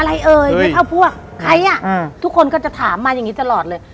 เอ่ยไม่เท่าพวกใครอ่ะอ่าทุกคนก็จะถามมาอย่างนี้ตลอดเลย